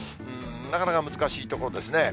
なかなか難しいところですね。